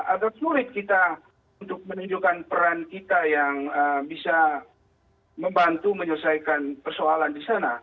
agak sulit kita untuk menunjukkan peran kita yang bisa membantu menyelesaikan persoalan di sana